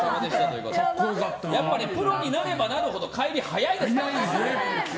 プロになればなるほど帰り早いですからね。